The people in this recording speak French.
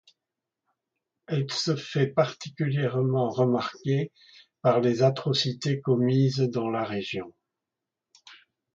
Elle se fait particulièrement remarquer par les atrocités commises dans la région.